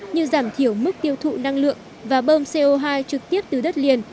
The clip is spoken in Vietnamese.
như giảm thiểu mức tiêu thụ năng lượng và bơm co hai trực tiếp từ đất liền